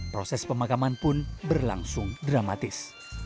proses pemakaman pun berlangsung dramatis